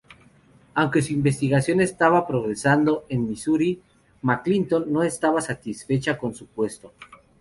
Aunque su investigación estaba progresando en Misuri, McClintock no estaba satisfecha con su puesto.